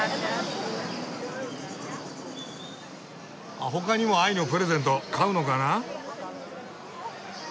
あっ他にも愛のプレゼント買うのかな？